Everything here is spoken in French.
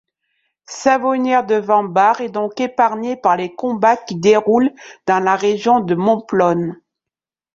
Savonnières-devant-Bar est donc épargnée par les combats qui déroulent dans la région de Montplonne.